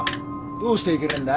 どうしていけねえんだ？